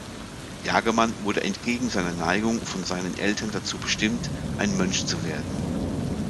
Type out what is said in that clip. Jagemann wurde entgegen seiner Neigung von seinen Eltern dazu bestimmt, ein Mönch zu werden.